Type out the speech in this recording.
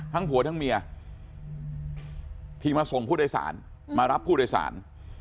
ผัวทั้งเมียที่มาส่งผู้โดยสารมารับผู้โดยสาร